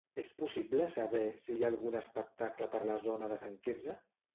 És possible saber si hi ha algun espectacle per la zona de Sant Quirze?